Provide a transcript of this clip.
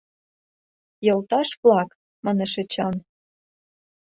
— Йолташ-влак! — манеш Эчан.